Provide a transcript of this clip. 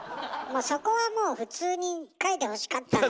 そこはもう普通に書いてほしかったのに。